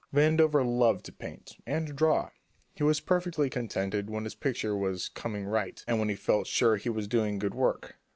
Vandover loved to paint and to draw. He was perfectly contented when his picture was "coming right," and when he felt sure he was doing good work.